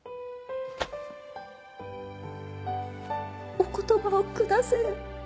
お言葉をくだせぇ。